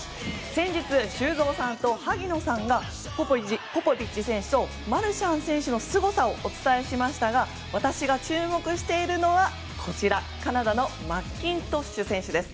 先日、修造さんと萩野さんがポポビッチ選手とマルシャン選手のすごさをお伝えしましたが私が注目しているのはカナダのマッキントッシュ選手です。